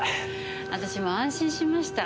私も安心しました。